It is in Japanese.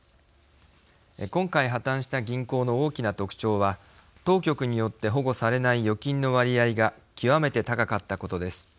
今回破綻した銀行の大きな特徴は当局によって保護されない預金の割合が極めて高かったことです。